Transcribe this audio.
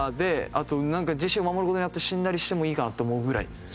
あとジェシーを守る事になって死んだりしてもいいかなって思うぐらいですね。